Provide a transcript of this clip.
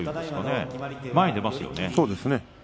そうですね。